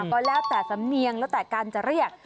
ก็แล้วแต่สำเนียงแล้วแต่การจะเรียก